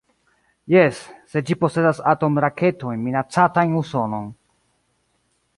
Jes, se ĝi posedas atomraketojn minacantajn Usonon.